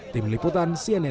tim liputan cnn indonesia